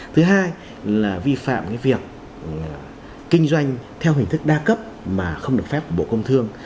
thứ hai là vi phạm việc kinh doanh theo hình thức đa cấp mà không được phép của bộ công thương